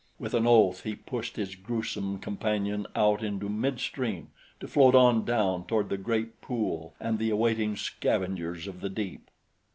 With an oath he pushed his gruesome companion out into mid stream to float on down toward the great pool and the awaiting scavengers of the deep.